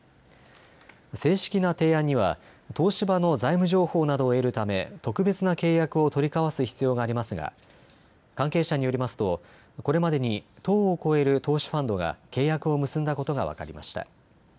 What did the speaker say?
正式な提案には東芝の財務情報などを得るため特別な契約を取り交わす必要がありますが関係者によりますとこれまでに１０を超える投資ファンドが契約を結んだことが分かりました。